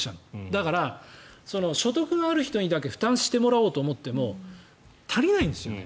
だから、所得がある人にだけ負担してもらおうと思っても足りないんですよね。